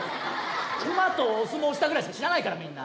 熊とお相撲したぐらいしか知らないからみんな。